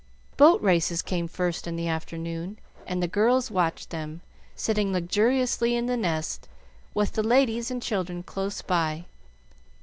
Boat races came first in the afternoon, and the girls watched them, sitting luxuriously in the nest, with the ladies and children close by.